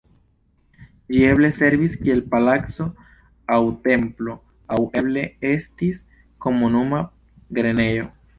Ĝi eble servis kiel palaco aŭ templo aŭ eble estis komunuma grenejo.